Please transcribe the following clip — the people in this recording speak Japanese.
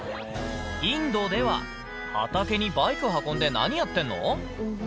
インドでは、畑にバイク運んで、何やってんの？